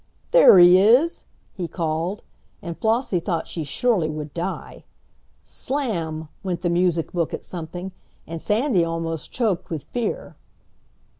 "There he is!" he called, and Flossie thought she surely would die. Slam! went the music book at something, and Sandy almost choked with fear.